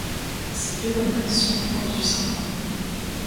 Ces phénomènes sont les causes du syndrome.